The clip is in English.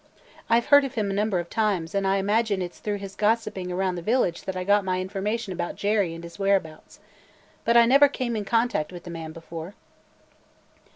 I 've heard of him a number of times, and I imagine it 's through his gossiping around the village that I got my information about Jerry and his whereabouts. But I never came in contact with the man before."